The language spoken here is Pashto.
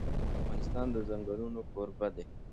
افغانستان د ځنګلونه کوربه دی.